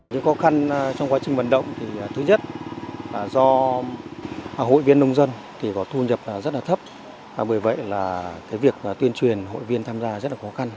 những khó khăn trong quá trình vận động thì thứ nhất là do hội viên nông dân thì có thu nhập rất là thấp bởi vậy là cái việc tuyên truyền hội viên tham gia rất là khó khăn